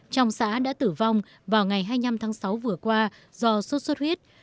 trong xã đã tử vong vào ngày hai mươi năm tháng sáu vừa qua do sốt xuất huyết